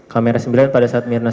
kamera sembilan pada saat mirna